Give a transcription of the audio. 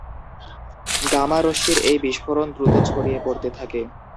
Gamma রশ্মির এই বিস্ফোরণ দ্রুত ছড়িয়ে পড়তে থাকে।